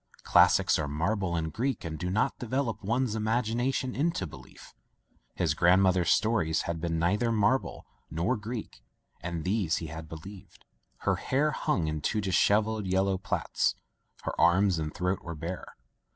Classics are marble and Greek and do not develop one's imagination into belief. His grandmother's stories had been neither marble nor Greek, and these he had be lieved. Her hair hung in two dishevelled yellow plaits. Her arms and throat were bare.